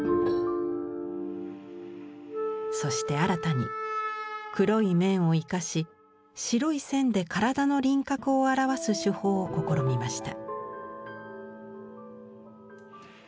そして新たに黒い面を生かし白い線で体の輪郭を表す手法を試みました。